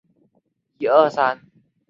挑战不会无由停止